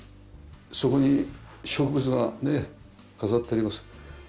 そこに植物がね飾ってあります。